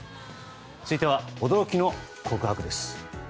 続いては驚きの告白です。